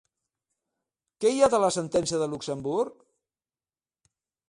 Què hi ha de la sentència de Luxemburg?